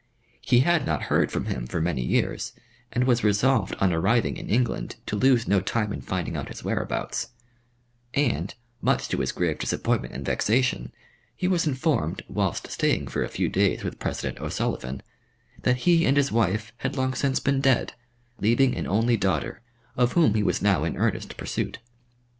He had not heard from him for many years, and was resolved on arriving in England to lose no time in finding out his whereabouts, and, much to his grave disappointment and vexation, he was informed, whilst staying for a few days with President O'Sullivan, that he and his wife had long since been dead, leaving an only daughter, of whom he was now in earnest pursuit.